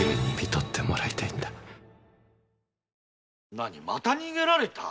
なにまた逃げられた？